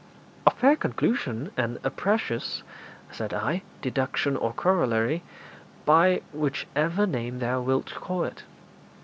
'A fair conclusion, and a precious,' said I, 'deduction or corollary, by whichever name thou wilt call it.'